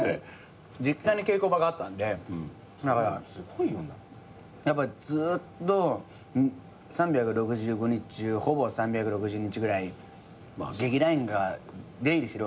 実家に稽古場があったんでだからずーっと３６５日中ほぼ３６０日ぐらい劇団員が出入りしてるわけじゃないですか。